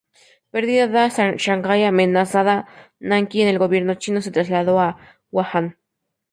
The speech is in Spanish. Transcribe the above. Perdida Shanghái y amenazada Nankín, el Gobierno chino se trasladó a Wuhan.